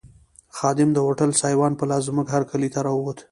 خادم د هوټل سایوان په لاس زموږ هرکلي ته راووت.